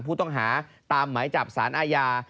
ผู้ต้องหาตามหมายจับสารอาญา